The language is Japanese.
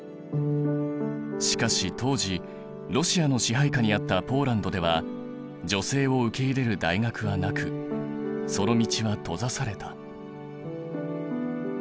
しかし当時ロシアの支配下にあったポーランドでは女性を受け入れる大学はなくその道は閉ざされた。